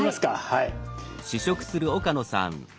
はい。